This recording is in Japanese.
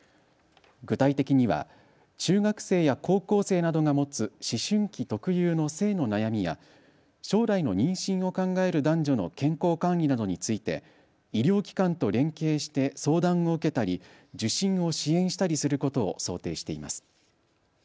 具体的には中学生や高校生などが持つ思春期特有の性の悩みや将来の妊娠を考える男女の健康管理などについて医療機関と連携して相談を受けたり受診を支援したりすることを想定しています。